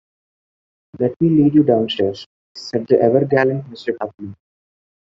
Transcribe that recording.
‘Let me lead you downstairs,’ said the ever-gallant Mr. Tupman.